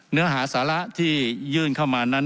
เนื้อหาสาระที่ยื่นเข้ามานั้น